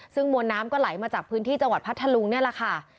ซึ่งมวลน้ำก็ไหลมาจากพื้นที่จังหวัดพัทธลุงนี่แหละค่ะ